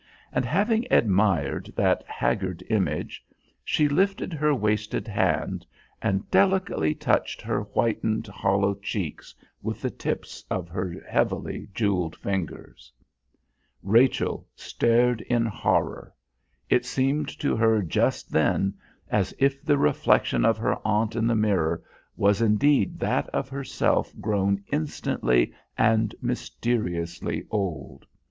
And having admired that haggard image, she lifted her wasted hand and delicately touched her whitened, hollow cheeks with the tips of her heavily jewelled fingers. Rachel stared in horror. It seemed to her just then as if the reflection of her aunt in the mirror was indeed that of herself grown instantly and mysteriously old.